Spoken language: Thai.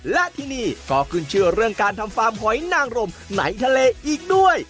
และที่นี่ก็ขึ้นชื่อเรื่องการทำฟาร์มหอยนางรมในทะเลอีกด้วย